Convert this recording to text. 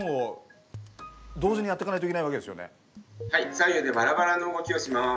左右でバラバラの動きをします。